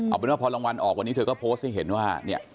เอาเป็นว่าพอรางวัลออกวันนี้เธอก็โพสต์ให้เห็นว่าเนี่ย